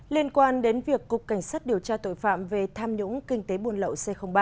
liên quan đến việc cục cảnh sát điều tra tội phạm về tham nhũng kinh tế buôn lậu c ba